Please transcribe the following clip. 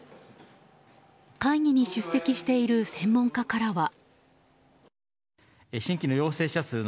会議に出席している専門家からは。